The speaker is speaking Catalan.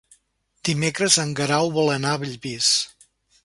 Dimecres en Guerau vol anar a Bellvís.